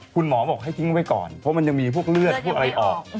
คุณหมอบอกให้ทิ้งไว้ก่อนเพราะมันยังมีพวกเลือดพวกอะไรออก